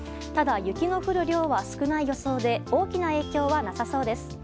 ただ、雪の降る量は少ない予想で大きな影響はなさそうです。